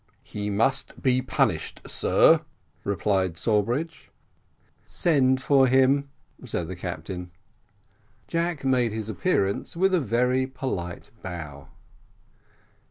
"He must be punished, sir," replied Sawbridge. "Send for him," said the captain. Jack made his appearance, with a very polite bow.